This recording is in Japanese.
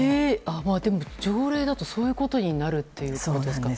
でも、条例だとそういうことになるんですか。